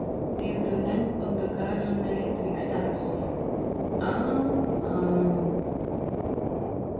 Till the length of the garden lay 'twixt us. Ah ! ah